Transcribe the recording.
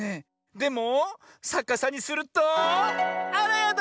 でもさかさにするとあらやだ！